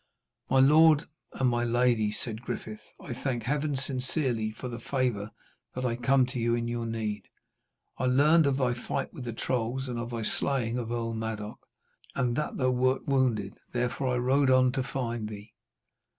'My lord and my lady,' said Griffith, 'I thank Heaven sincerely for the favour that I come to you in your need. I learned of thy fight with the trolls and of thy slaying of Earl Madoc, and that thou wert wounded. Therefore I rode on to find thee.'